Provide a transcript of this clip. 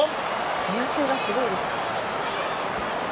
手汗がすごいです。